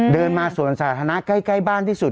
เดินมาสวนสาธารณะใกล้บ้านที่สุด